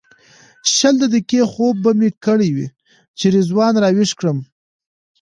شل دقیقې خوب به مې کړی وي چې رضوان راویښ کړم.